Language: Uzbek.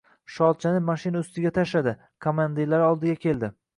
Sholchani mashina ustiga tashladi. Komandirlari oldiga keldi.